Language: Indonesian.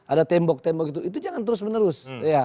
ada tembok tembok itu jangan terus menerus